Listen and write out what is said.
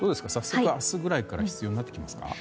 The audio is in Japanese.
早速明日ぐらいから必要になってきますか？